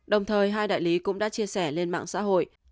đồng thời hai đại lý cũng đã chia sẻ lên mạng xã hội